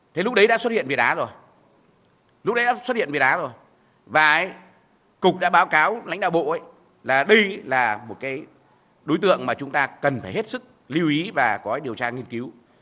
thế lúc đấy đã xuất hiện việt á rồi lúc đấy đã xuất hiện việt đá rồi và cục đã báo cáo lãnh đạo bộ là đây là một đối tượng mà chúng ta cần phải hết sức lưu ý và có điều tra nghiên cứu